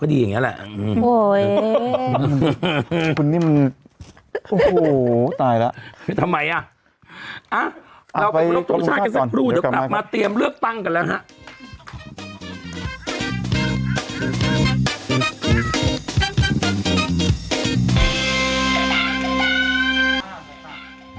โอ้วเฮ้เฮ้เฮคุณนี่มนิดโอ้โหตายแล้วทำไมอะเอออ่ะเราไปเรากำลังไปเตรียมเลือกตั้งกันแล้วนะฮะ